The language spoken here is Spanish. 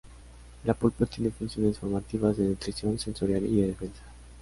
La pulpa tiene funciones formativas, de nutrición, sensorial y de defensa.